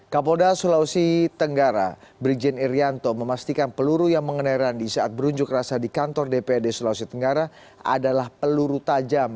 kapolda sulawesi tenggara brigjen irianto memastikan peluru yang mengenairan di saat berunjuk rasa di kantor dprd sulawesi tenggara adalah peluru tajam